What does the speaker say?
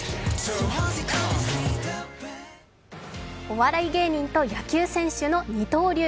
お笑い芸人と野球選手の二刀流。